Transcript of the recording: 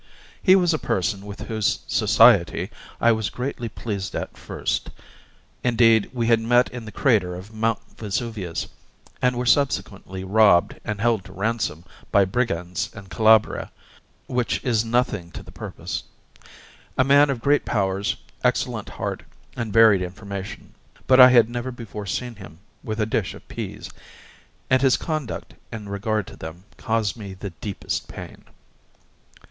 He was a person with whose society I was greatly pleased at first indeed, we had met in the crater of Mount Vesuvius, and were subsequently robbed and held to ransom by brigands in Calabria, which is nothing to the purpose a man of great powers, excellent heart, and varied information; but I had never before seen him with a dish of pease, and his conduct in regard to them caused me the deepest pain.